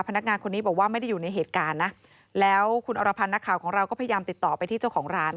พนักงานคนนี้บอกว่าไม่ได้อยู่ในเหตุการณ์นะแล้วคุณอรพันธ์นักข่าวของเราก็พยายามติดต่อไปที่เจ้าของร้าน